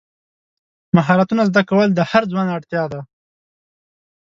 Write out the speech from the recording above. مهارتونه زده کول د هر ځوان اړتیا ده.